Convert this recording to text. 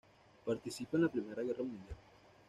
Participa en la Primera Guerra Mundial.